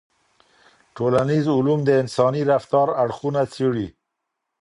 ټولنيز علوم د انساني رفتار اړخونه څېړي.